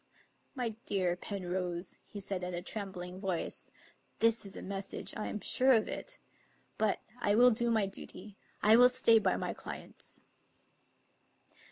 " My dear Penrose," he said in a trembling voice, " this, is a message; I am sure of it. But I will do my duty; I will stay by my clients."